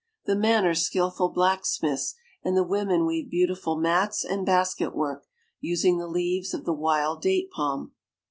The men are skillful blacksmiths, and the women weave beautiful mats and basket work, using the leaves of the wild date palm.